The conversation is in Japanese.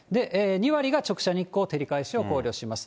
２割が直射日光、照り返しを考慮します。